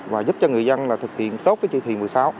và giúp cho người dân thực hiện tốt chữ thị một mươi sáu